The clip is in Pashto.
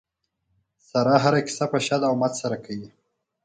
ساره هره کیسه په شد او مد سره کوي.